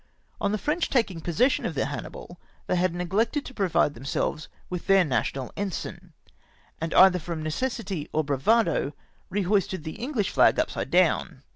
On the French taking possession of the Hannibal, they had neglected to provide themselves with their national ensign, and either from necessity or bravado rehoisted the Enghsh flag upside down.